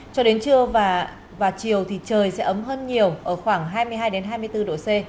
cho đến trưa và chiều thì trời sẽ ấm hơn nhiều ở khoảng hai mươi hai hai mươi bốn độ c